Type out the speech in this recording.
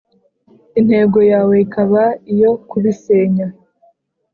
intego yawe ikaba iyo kubisenya.